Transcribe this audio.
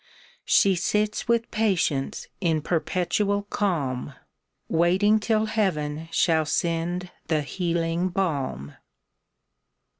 She sits with Patience in perpetual calm. Waiting till Heaven shall send the healing balm.